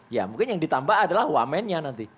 ya mungkin yang ditambah adalah wamennya nanti